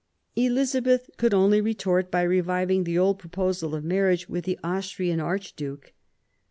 Elizabeth could only retort by reviving the old proposal of marriage with the Austrian Archduke.